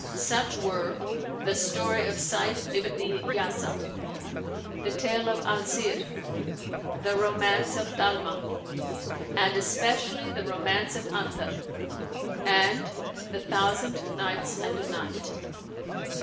Such were the 'Story of Saif ibn dhi Yázan,' the 'Tale of al Zir,' the 'Romance of Dálhmah,' and especially the 'Romance of Antar' and the 'Thousand Nights and A Night.'